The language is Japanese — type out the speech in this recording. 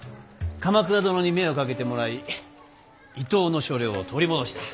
鎌倉殿に目をかけてもらい伊東の所領を取り戻した。